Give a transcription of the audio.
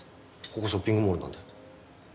ここショッピングモールなんで。